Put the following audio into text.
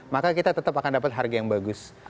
maka kita tetap akan dapat harga yang bagus